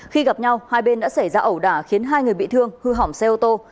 khi gặp nhau hai bên đã xảy ra ẩu đả khiến hai người bị thương hư hỏng xe ô tô